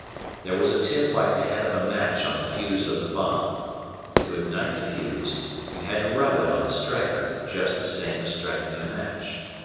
There was a tip like the head of a match on the fuse of the bomb. To ignite the fuse, you had to rub it on the "striker," just the same as striking a match.